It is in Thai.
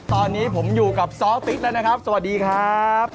ตอนนี้ผมอยู่กับซ้อติ๊กแล้วนะครับสวัสดีครับ